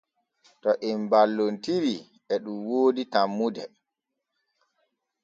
To em balloltiitri e ɗun woodi tanmude.